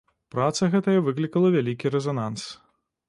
Праца гэтая выклікала вялікі рэзананс.